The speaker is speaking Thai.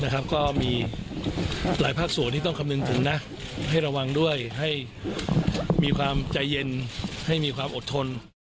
ก็มีหลายภาคส่วนที่ต้องคำนึงถึงนะให้ระวังด้วยให้มีความใจเย็นให้มีความอดทน